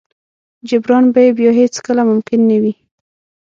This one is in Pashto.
جبران به يې بيا هېڅ کله ممکن نه وي.